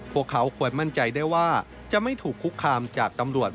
พวกเขาควรมั่นใจได้ว่าจะไม่ถูกคุกคามจากตำรวจ